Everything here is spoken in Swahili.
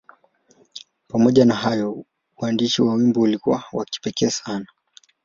Pamoja na hayo, uandishi wa wimbo ulikuwa wa kipekee sana.